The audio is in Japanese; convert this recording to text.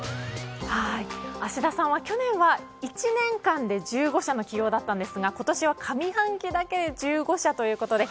芦田さんは去年は１年間で１５社の起用だったんですが今年は上半期だけで１５社ということで